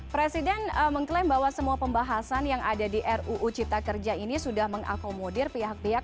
presiden mengklaim bahwa semua pembahasan yang ada di ruu cipta kerja ini sudah mengakomodir pihak pihak